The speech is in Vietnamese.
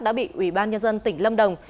đã bị ủy ban nhân dân tỉnh lâm đồng